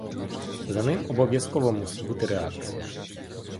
За ним обов'язково мусить бути реакція.